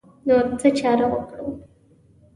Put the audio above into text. نو څه چاره وکړو.